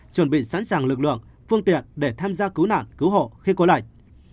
chuẩn bị sẵn sàng lực lượng phương tiện để tham gia cứu nạn cứu hộ khi có lệnh